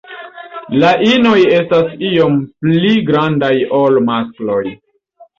La inoj estas iom pli grandaj ol maskloj.